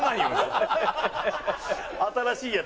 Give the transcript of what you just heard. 新しいやつ。